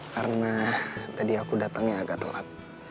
karena tadi aku datengnya agak telat